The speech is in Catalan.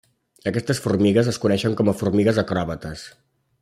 Aquestes formigues es coneixen com a formigues acròbates.